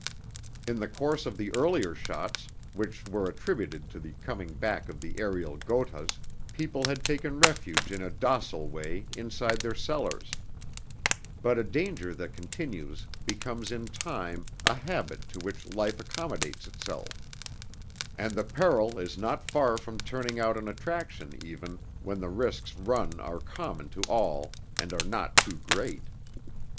In the course of the earlier shots, which were attributed to the coming back of the aerial Gothas, people had taken refuge in a docile way inside their cellars; but a danger that continues becomes in time a habit to which life accommodates itself; and the peril is not far from turning out an attraction even, when the risks run are common to all and are not too great.